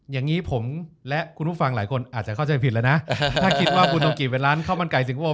อย่างนี้ผมและคุณผู้ฟังหลายคนอาจจะเข้าใจผิดแล้วนะถ้าคิดว่าคุณต้องกินเป็นร้านข้าวมันไก่สิงคโปร์